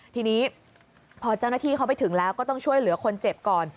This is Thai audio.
ทีนี้พอเจ้าหน้าที่เขาไปถึงแล้วก็ต้องช่วยเหลือคนเจ็บก่อน